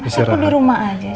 mas aku di rumah aja sih